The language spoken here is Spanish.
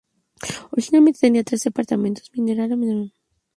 Originalmente tenía tres departamentos: minería, la metalurgia y la ingeniería mecánica.